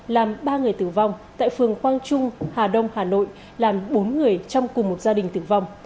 làm ba người tử vong tại phường quang trung hà đông hà nội làm bốn người trong cùng một gia đình tử vong